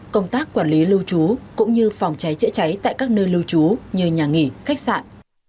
công tác quản lý lưu trú cũng như phòng cháy chữa cháy tại các nơi lưu trú như nhà nghỉ khách sạn